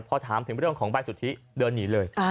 พอถามถึงเรื่องของใบสุทธิเดินหนีเลย